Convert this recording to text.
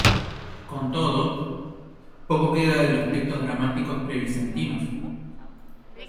Con todo, poco queda de los textos dramáticos pre-vicentinos.